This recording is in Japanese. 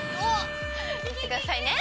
見ててくださいね。